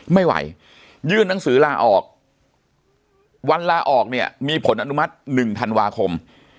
ไม่ไหวยื่นหนังสือลาออกวันลาออกเนี่ยมีผลอนุมัติ๑ธันวาคม